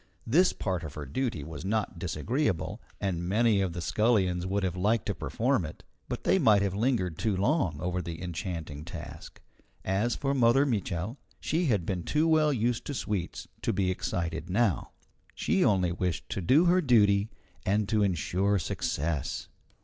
This part of her duty was not disagreeable, and many of the scullions would have liked to perform it. But they might have lingered too long over the enchanting task. As for Mother Mitchel, she had been too well used to sweets to be excited now. She only wished to do her duty and to insure success.